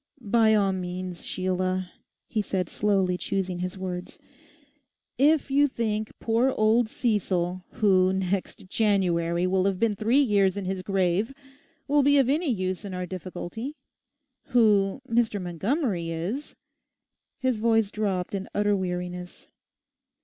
'By all means, Sheila,' he said slowly choosing his words, 'if you think poor old Cecil, who next January will have been three years in his grave, will be of any use in our difficulty. Who Mr. Montgomery is...' His voice dropped in utter weariness.